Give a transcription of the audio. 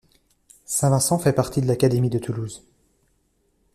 Saint-Vincent fait partie de l'académie de Toulouse.